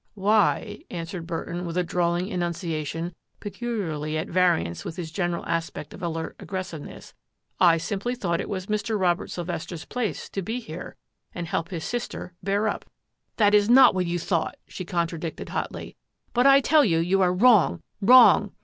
" Why," answered Burton with a drawling enunciation peculiarly at variance with his gen eral aspect of alert aggressiveness, " I simply thought it was Mr. Robert Sylvester's place to be here and help his sister bear up." SURMISES AND SUSPICIONS 6S " That is not what you thought !" she con tradicted hotly. " But I tell you you are wrong, wrong